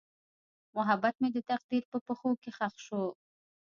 محبت مې د تقدیر په پښو کې ښخ شو.